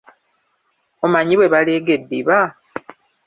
Omanyi bwe baleega eddiba?